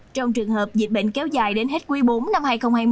trong trường hợp dịch bệnh kéo dài đến hết quý bốn năm hai nghìn hai mươi